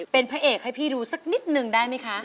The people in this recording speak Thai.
เป็นพระเอกให้พี่ดูสักนิดนึงได้ไหมคะ